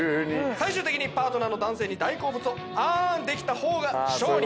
最終的にパートナーの男性に大好物をあんできた方が勝利！